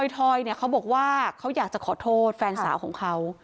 ถอยเขาบอกว่าเขาอยากจะขอโทษแฟนสาวของเขา